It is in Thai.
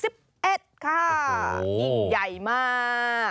ยิ่งใหญ่มาก